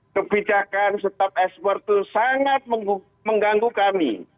kebijakan stop ekspor itu sangat mengganggu kami